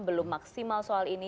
belum maksimal soal ini